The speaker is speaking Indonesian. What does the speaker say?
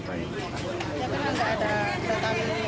karena gak ada kedatang ini